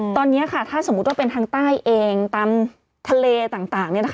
ตอนนี้ค่ะถ้าสมมุติว่าเป็นทางใต้เองตามทะเลต่าง